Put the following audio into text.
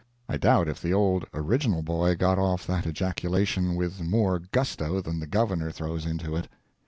I doubt if the old original boy got off that ejaculation with more gusto than the Governor throws into it.